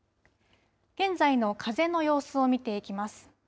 現在の風の様子を見ていきます。